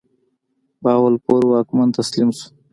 بهاولپور واکمن تسلیم شو.